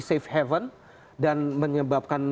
safe haven dan menyebabkan